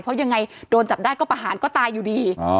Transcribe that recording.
เพราะยังไงโดนจับได้ก็ประหารก็ตายอยู่ดี